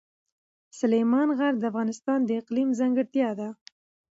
سلیمان غر د افغانستان د اقلیم ځانګړتیا ده.